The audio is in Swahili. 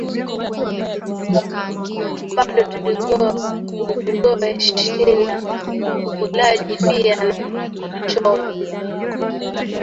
Bado, tuling’owe shina, ulaji pia na choyo